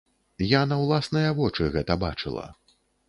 Я на ўласныя вочы гэта бачыла.